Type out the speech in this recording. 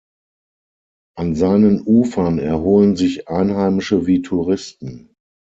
An seinen Ufern erholen sich Einheimische wie Touristen.